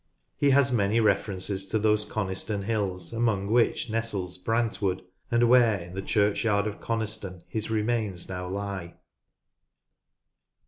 He has many references to those Coniston hills, among which nestles Brantwood, and where, in the churchyard of Coniston his remains now lie.